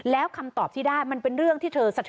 แล้วคำตอบที่ได้มันเป็นเรื่องที่เธอสะเทือ